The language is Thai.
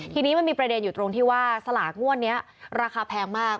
ทีนี้มันมีประเด็นอยู่ตรงที่ว่าสลากงวดนี้ราคาแพงมาก